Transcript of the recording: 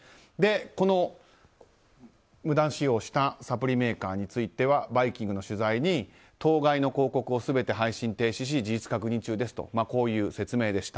この無断使用したサプリメーカーについては「バイキング」の取材に当該の広告を全て配信停止し事実確認中ですという説明でした。